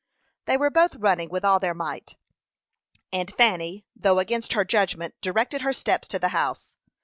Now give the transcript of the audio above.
They were both running with all their might; and Fanny, though against her judgment, directed her steps to the house.